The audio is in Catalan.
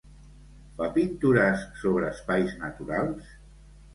Fa pintures sobre espais naturals?